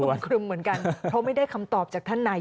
ครึมเหมือนกันเพราะไม่ได้คำตอบจากท่านนาย